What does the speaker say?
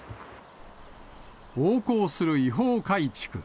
横行する違法改築。